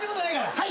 はい。